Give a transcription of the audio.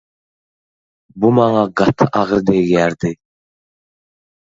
Bu maňa gaty agyr degýärdi.